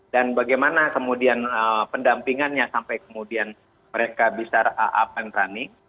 dan bagaimana kemudian pendampingannya sampai kemudian mereka bisa up and running